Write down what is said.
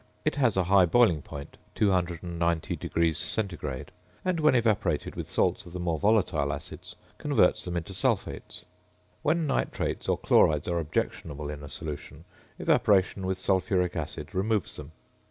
It has a high boiling point, 290° C., and, when evaporated with salts of the more volatile acids, converts them into sulphates. When nitrates or chlorides are objectionable in a solution, evaporation with sulphuric acid removes them.